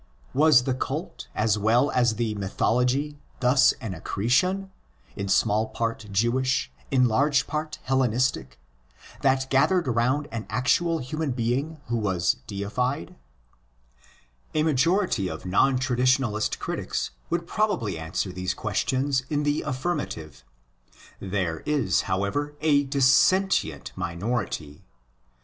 Was the cult as well as the mythology thus an accretion, in small part Jewish, in large part Hellenistic, that gathered round an actual human being who was "' deified "' 2 A majority of non traditionalist critics would probably answer these questions in the affirmative. There is, however, a dissentient minority.